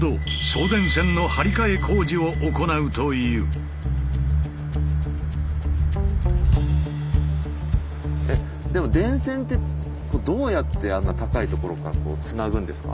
この日はちょうどでも電線ってどうやってあんな高いところからつなぐんですか？